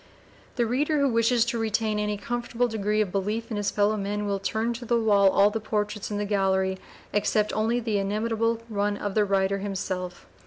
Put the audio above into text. The reader who wishes to retain any comfortable degree of belief in his fellow men will turn to the wall all the portraits in the gallery except only the inimitable one of the writer himself.